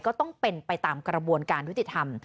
ก็ต้องเป็นไปตามกระบวนการยุติธรรม